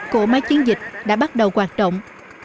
cổ máy chiến dịch đã bắt đầu hoạt động